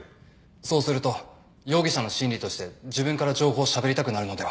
そうすると容疑者の心理として自分から情報をしゃべりたくなるのでは？